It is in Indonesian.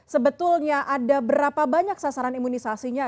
sebetulnya ada berapa banyak sasaran imunisasinya